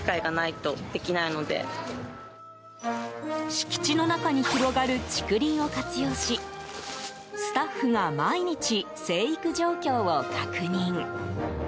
敷地の中に広がる竹林を活用しスタッフが毎日、生育状況を確認。